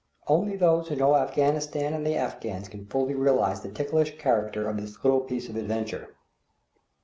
Only those who know Afghanistan and the Afghans can fully realize the ticklish character of this little piece of adventure.